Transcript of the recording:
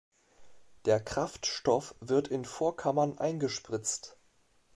Der Kraftstoff wird in Vorkammern eingespritzt.